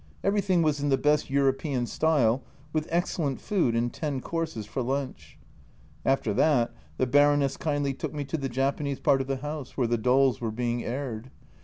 Everything was in the best European style, with excellent food and ten courses for lunch ! After that the Baroness kindly took me to the Japanese part of the house, where the dolls were being aired.